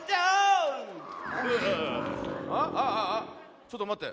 ちょっとまって。